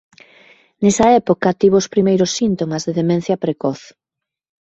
Nesa época tivo os primeiros síntomas de demencia precoz.